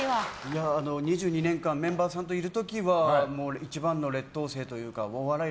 ２２年間メンバーさんといる時は一番の劣等生というかお笑い